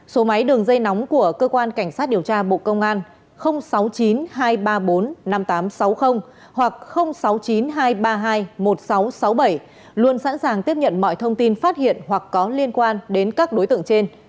số máy đường dây nóng của cơ quan cảnh sát điều tra bộ công an sáu mươi chín hai trăm ba mươi bốn năm nghìn tám trăm sáu mươi hoặc sáu mươi chín hai trăm ba mươi hai một nghìn sáu trăm sáu mươi bảy luôn sẵn sàng tiếp nhận mọi thông tin phát hiện hoặc có liên quan đến các đối tượng trên